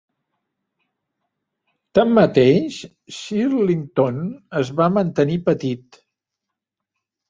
Tanmateix, Shirlington es va mantenir petit.